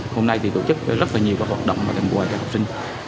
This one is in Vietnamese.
hôm nay tổ chức rất nhiều hoạt động và đồng hành cho học sinh